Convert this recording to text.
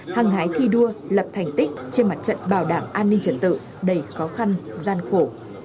hăng hái thi đua lập thành tích trên mặt trận bảo đảm an ninh trật tự đầy khó khăn gian khổ